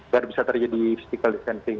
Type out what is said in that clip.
biar bisa terjadi physical distancing